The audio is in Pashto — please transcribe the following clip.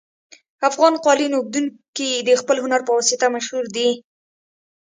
افغان قالین اوبدونکي د خپل هنر په واسطه مشهور دي